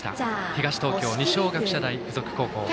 東東京・二松学舎大付属高校。